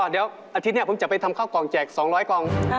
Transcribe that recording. เดี๋ยวอาทิตย์นี้ผมจะไปทำข้าวกล่องแจก๒๐๐กล่อง